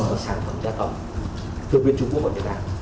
giá cầm là sản phẩm giá cầm thường biên trung quốc của việt nam